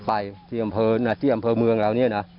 ไปที่ดำเภอที่ดำเภอเมืองแล้วเนี่ยนะ